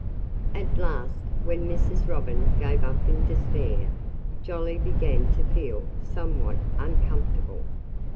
At last, when Mrs. Robin gave up in despair, Jolly began to feel somewhat uncomfortable.